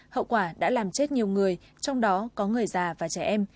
hậu quả đã làm chết nhiều người trong đó có người già và trẻ em